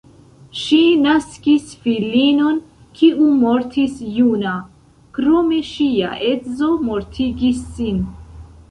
Ŝi naskis filinon, kiu mortis juna, krome ŝia edzo mortigis sin.